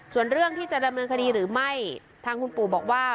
ส่วนเรื่องที่จะดำเนินคดีหรือไม่ทางคุณปู่บอกว่า